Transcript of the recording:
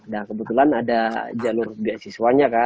nah kebetulan ada jalur beasiswanya kan